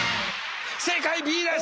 正解Ｂです！